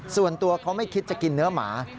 ส่วนตัวเขาไม่คิดจะกินเนื้อหมา